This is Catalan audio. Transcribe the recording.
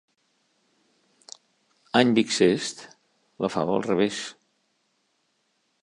Any bixest, la fava al revés.